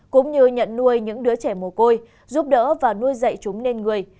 cũng như nhận nuôi những đứa trẻ mồ côi giúp đỡ và nuôi dạy chúng nên người